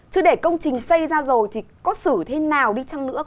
chứ để công trình xây ra rồi thì có xử thế nào đi chăng nữa